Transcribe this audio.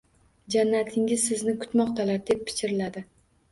Jannatingiz sizni kutmoqdalar deb pichirladi